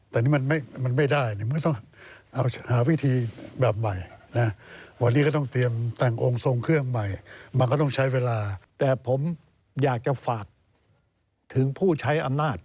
ตอนนั้นไม่ได้คิดอย่างนี้